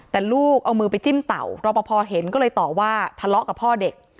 แต่ลูกเอามือไปจิ้มเต่ารอปภเห็นก็เลยต่อว่าทะเลาะกับพ่อเด็ก